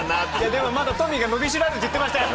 でもまだトミーが伸びしろあるって言ってましたから。